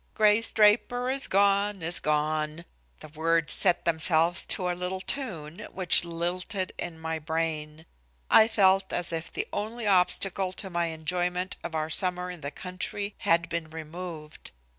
"Grace Draper is gone, is gone." The words set themselves to a little tune, which lilted in my brain. I felt as if the only obstacle to my enjoyment of our summer in the country had been removed.